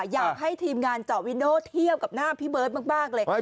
อยากให้ทีมงานเจาะวินโดเทียบกับหน้าพี่เบิร์ตมากเลย